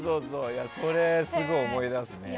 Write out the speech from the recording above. それをすごい思い出すね。